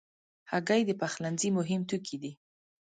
هګۍ د پخلنځي مهم توکي دي.